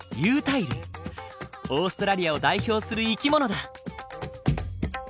オーストラリアを代表する生き物だ。